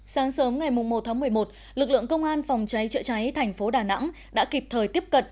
sáng sớm ngày một tháng một mươi một lực lượng công an phòng cháy trợ cháy thành phố đà nẵng đã kịp thời tiếp cận